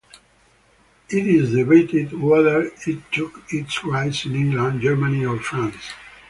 It is debated whether it took its rise in England, Germany or France.